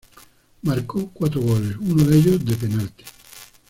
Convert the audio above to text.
Marcó cuatro goles, uno de ellos de penalti.